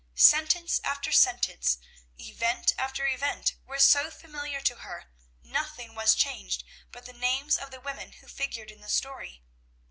Sentence after sentence, event after event, were so familiar to her, nothing was changed but the names of the women who figured in the story.